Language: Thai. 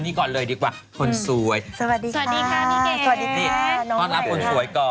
ทุกคนมาถ่ายทำคุณค่ะ